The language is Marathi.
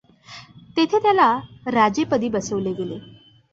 तेथे त्याला राजेपदी बसवले गेले.